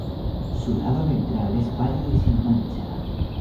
Su lado ventral es pálido y sin mancha.